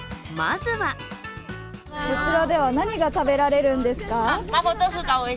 こちらでは何が食べられるんですか？